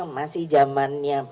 um hidup makin bagus